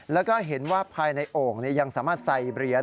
แล้วก็เห็นว่าภายในโอ่งยังสามารถใส่เหรียญ